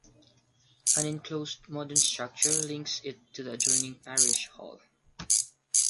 An enclosed modern structure links it to the adjoining parish hall.